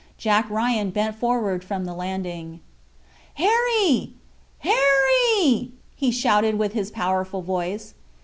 Jack Ryan bent forward from the landing. "Harry! Harry!" he shouted with his powerful voice.